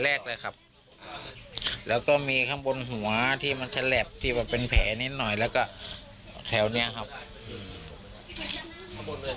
แรกเลยครับแล้วก็มีข้างบนหัวที่มันถลบที่มันเป็นแผลนิดหน่อยแล้วก็แถวนี้ครับ